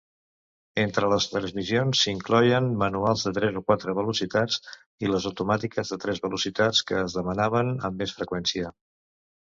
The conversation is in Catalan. Entre les transmissions s"hi incloïen manuals de tres o quatre velocitats i les automàtiques de tres velocitats que es demanaven amb més freqüència.